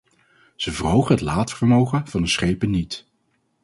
Ze verhogen het laadvermogen van hun schepen niet.